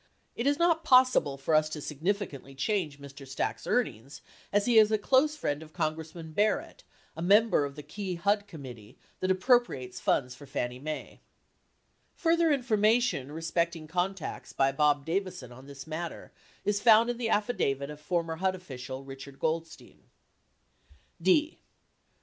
It is not possible for us to significantly change Mr. Stack's earn ings as he is a close friend of Congressman Barrett, a mem ber of the key HUD committee that appropriates funds for Fannie Mae. 96 Further information respecting contacts by Rob Davison on this matter is found in the affidavit of former HUD official Richard Goldstein.